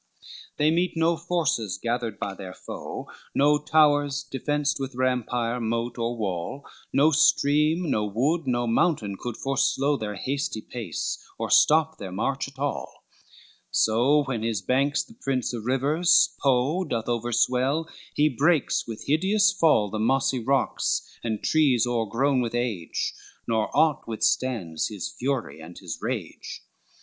LXXV They meet no forces gathered by their foe, No towers defenced with rampire, moat, or wall, No stream, no wood, no mountain could forslow Their hasty pace, or stop their march at all; So when his banks the prince of rivers, Po, Doth overswell, he breaks with hideous fall The mossy rocks and trees o'ergrown with age, Nor aught withstands his fury and his rage.